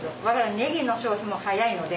ネギの消費も早いので。